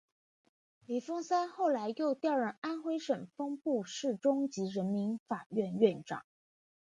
李奉三后来又调任安徽省蚌埠市中级人民法院院长。